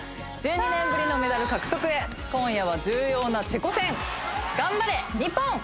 １２年ぶりのメダル獲得へ今夜は重要なチェコ戦頑張れニッポン！